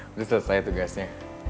udah selesai tugasnya